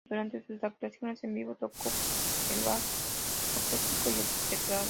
Durante sus actuaciones en vivo, tocó el bajo acústico y el teclado.